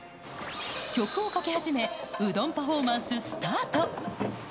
曲をかけ始め、うどんパフォーマンス、スタート。